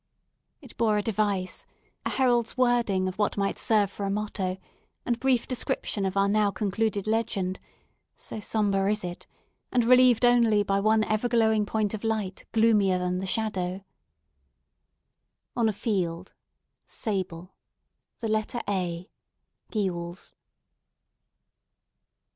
It bore a device, a herald's wording of which may serve for a motto and brief description of our now concluded legend; so sombre is it, and relieved only by one ever glowing point of light gloomier than the shadow:— "ON A FIELD, SABLE, THE LETTER A, GULES."